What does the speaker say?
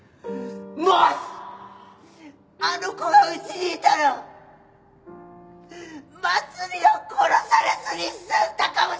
もしあの子が家にいたらまつりは殺されずに済んだかもしれないじゃないか！！